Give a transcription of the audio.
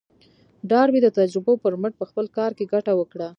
ډاربي د تجربو پر مټ په خپل کار کې ګټه وکړه.